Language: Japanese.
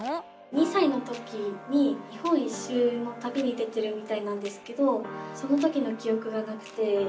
２さいの時に日本一周のたびに出てるみたいなんですけどその時のきおくがなくて。